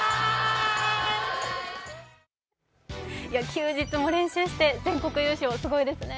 休日も練習して全国優勝すごいですね。